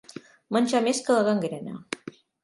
Menjar més que la gangrena.